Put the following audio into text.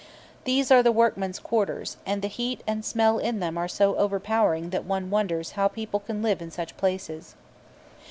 These are the workmen's quarters, and the heat and smell in them are so overpowering that one wonders how people can live in such places.